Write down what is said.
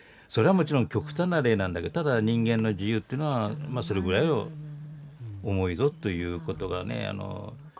それはもちろん極端な例なんだけどただ人間の自由っていうのはそれぐらい重いぞということがね。